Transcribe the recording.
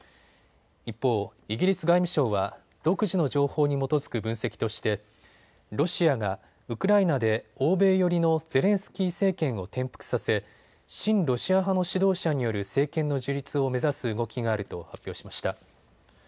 一方、イギリス外務省は独自の情報に基づく分析としてロシアがウクライナで欧米寄りのゼレンスキー政権を転覆させ、親ロシア派の指導者による政権の樹立を目指す動きがあると発表しました。